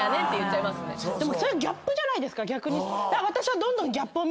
でもギャップじゃないですか。